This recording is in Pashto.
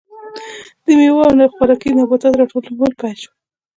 د میوو او خوراکي نباتاتو راټولول پیل شول.